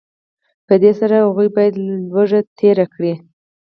په دې سره هغوی باید لوږه تېره کړي